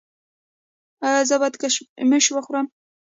ایا زه باید کشمش وخورم؟